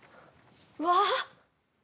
わあ。